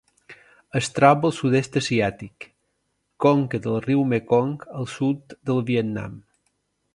Es troba al Sud-est asiàtic: conca del riu Mekong al sud del Vietnam.